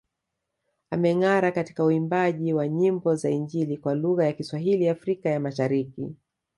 Amengara katika uimbaji wa nyimbo za Injili kwa lugha ya Kiswahili Afrika ya Mashariki